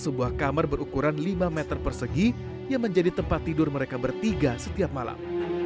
sebuah kamar berukuran lima meter persegi yang menjadi tempat tidur mereka bertiga setiap malam